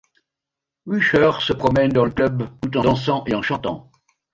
Usher se promène dans le club tout en dansant et en chantant.